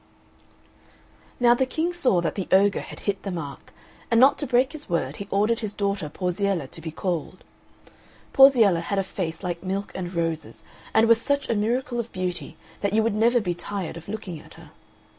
Now the King saw that the ogre had hit the mark; and not to break his word he ordered his daughter Porziella to be called. Porziella had a face like milk and roses, and was such a miracle of beauty that you would never be tired of looking at her.